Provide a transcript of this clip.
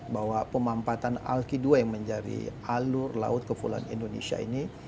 bahwa pemampatan alki dua yang menjadi alur laut kepulauan indonesia ini